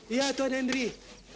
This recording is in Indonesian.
iya tuhan hendrik